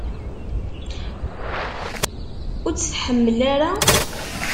Ur tt-tḥemmel ara?